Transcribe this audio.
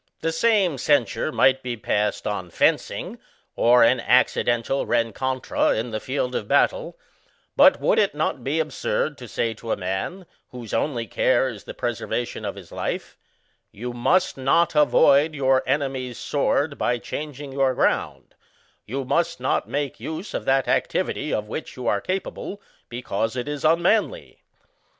The same censure might be passed on fencing, or an accidental rencontre in the field of battle; but would it not be absurd to say to a nran, whose only care is the preserva tion of his life, ŌĆö "You must not avoid your enemy's sword by changing your ground ; you must not make use of that activity of which you are capable, because it is unmanly."